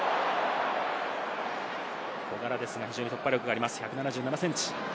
小柄ですが、非常に突破力があります、１７７センチ。